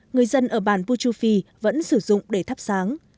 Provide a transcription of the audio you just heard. người dân ở bản puchu phi vẫn sử dụng để thắp sáng